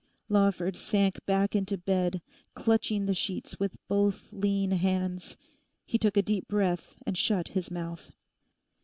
Lawford sank back into bed, clutching the sheets with both lean hands. He took a deep breath and shut his mouth.